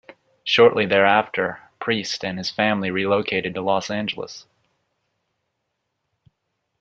Shortly thereafter, Priest and his family relocated to Los Angeles.